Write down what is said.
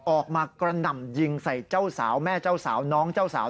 กระหน่ำยิงใส่เจ้าสาวแม่เจ้าสาวน้องเจ้าสาว